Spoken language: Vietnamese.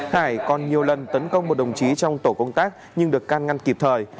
hải còn nhiều lần tấn công một đồng chí trong tổ công tác nhưng được can ngăn kịp thời